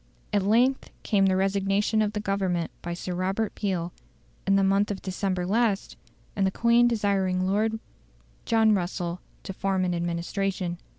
At length came the resignation of the Government by Sir Robert Peel, in the month of December last, and the Queen desiring Lord John Russell to form an administration.